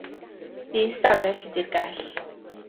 Un ystafell ydy'r gell.